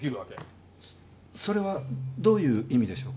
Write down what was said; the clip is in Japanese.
そそれはどういう意味でしょうか？